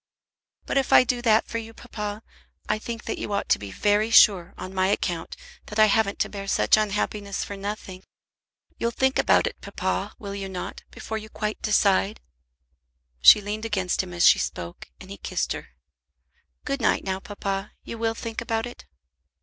"But if I do that for you, papa, I think that you ought to be very sure, on my account, that I haven't to bear such unhappiness for nothing. You'll think about it, papa, will you not, before you quite decide?" She leaned against him as she spoke, and he kissed her. "Good night, now, papa. You will think about it?"